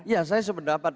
ya saya sependapat